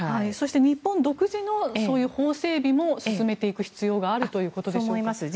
日本独自の法整備も進めていく必要があるということでしょうか。